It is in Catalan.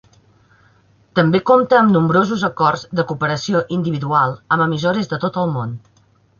També compta amb nombrosos acords de cooperació individual amb emissores de tot el món.